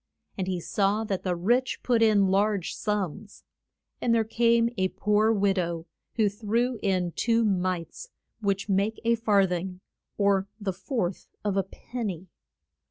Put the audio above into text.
And he saw that the rich put in large sums. And there came a poor wid ow who threw in two mites, which make a far thing, or the fourth of a pen ny.